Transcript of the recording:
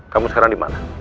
kamu sekarang dimana